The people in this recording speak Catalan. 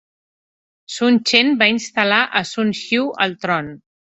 Sun Chen va instal·lar a Sun Xiu al tron.